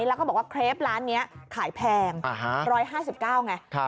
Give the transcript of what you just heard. แล้วก็บอกว่าเครปร้านนี้ขายแพง๑๕๙ไง